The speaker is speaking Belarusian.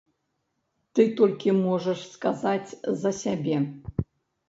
Ты толькі можаш сказаць за сябе.